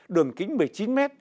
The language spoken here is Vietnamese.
đường kính một mươi chín m